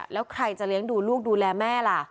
แล้วใครจะเลี้ยงดูลูกดูแลแม่ล่ะ